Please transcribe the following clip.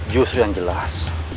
justru yang jelas